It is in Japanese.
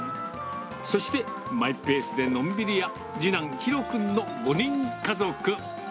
そしてマイペースでのんびり屋、次男、紘君の５人家族。